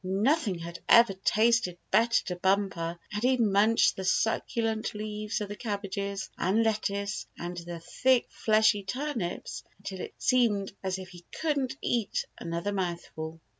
Nothing had ever tasted better to Bumper and he munched the succulent leaves of the cabbages and lettuce and the thick, fleshy turnips until it seemed as if he couldn't eat another mouthful.